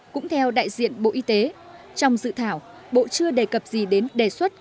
cũng theo đại diện bộ y tế trong dự thảo bộ chưa đề cập gì đến đề xuất